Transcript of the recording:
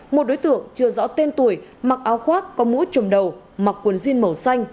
một đối tượng chưa rõ tên tuổi mặc áo khoác có mũ trùm đầu mặc quần jean màu xanh